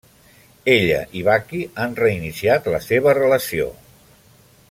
Ella i Bucky han reiniciat la seva relació.